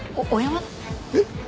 えっ？